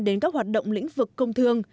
đến các hoạt động lĩnh vực công thương